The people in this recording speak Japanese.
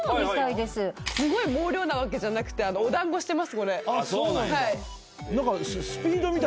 すごい毛量なわけじゃなくてお団子してますこれ。何か。